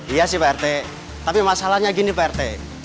iya sih prt tapi masalahnya gini prt